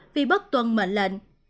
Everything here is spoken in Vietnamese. vì bất tuân mệnh lệnh